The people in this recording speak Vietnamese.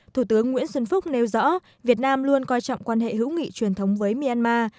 thủ tướng nguyễn xuân phúc nêu rõ việt nam luôn coi trọng quan hệ hữu nghị truyền thống với myanmar